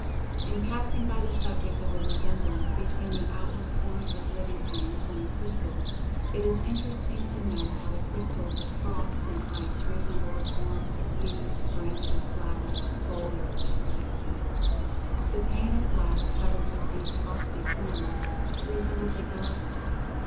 In passing by the subject of the resemblance between the outward forms of living things and the crystals, it is interesting to note how the crystals of frost and ice resemble the forms of leaves, branches, flowers, foliage, etc.—the pane of glass covered with these frosty forms, resembles a garden.